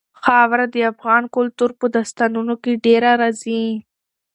خاوره د افغان کلتور په داستانونو کې ډېره راځي.